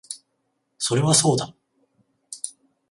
それはそうだ